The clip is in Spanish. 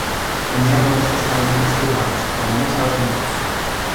Tenía robustos colmillos curvados, comunes a los mamuts.